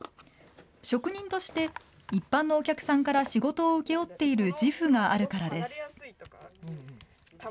職人として、一般のお客さんから仕事を請け負っている自負があるからです。